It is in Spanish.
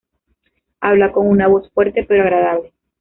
Habla con una voz fuerte pero agradable.